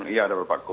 iya ada beberapa akun